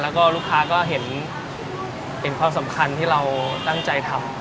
แล้วก็ลูกค้าก็เห็นความสำคัญที่เราตั้งใจทำ